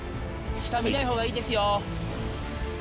下見ないほうがいいですよ。